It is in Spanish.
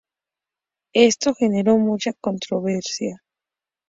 Esto generó mucha controversia.